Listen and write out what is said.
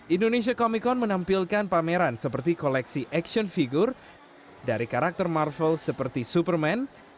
indonesia comic con menampilkan pameran seperti koleksi action figure dari karakter marvel seperti superman